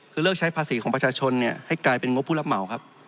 คือเลิกใช้ภาษีของประชาชนให้กลายเป็นงบผู้รับเหมาครับ